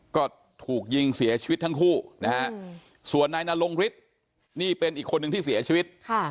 ก็ถูกยิงเสียชีวิตทั้งคู่นะฮะส่วนนายนรงฤทธิ์นี่เป็นอีกคนนึงที่เสียชีวิต